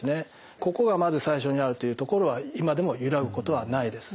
ここがまず最初にあるというところは今でも揺らぐことはないです。